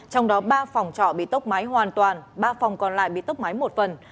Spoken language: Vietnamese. trong đó ba phòng trọ bị tốc mái hoàn toàn ba phòng còn lại bị tốc máy một phần